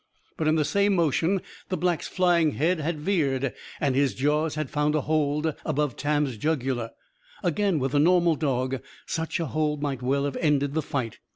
But, in the same motion, the Black's flying head had veered; and his jaws had found a hold above Tam's jugular. Again, with the normal dog, such a hold might well have ended the fight.